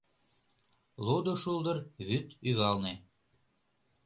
Лудо шулдыр вӱд ӱвалне